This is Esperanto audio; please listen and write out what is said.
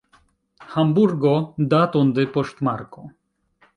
Hamburgo, daton de poŝtmarko.